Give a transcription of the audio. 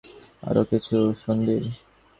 আরো কিছু শুনবি?